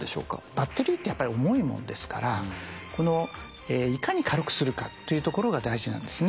バッテリーってやっぱり重いものですからいかに軽くするかというところが大事なんですね。